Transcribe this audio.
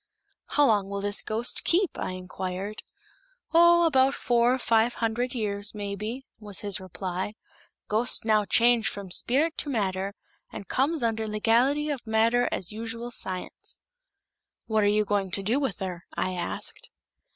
"How long will this ghost keep?" I inquired. "Oh, about four, five hundled years, maybe," was his reply. "Ghost now change from spilit to matter, and comes under legality of matter as usual science." "What are you going to do with her?" I asked.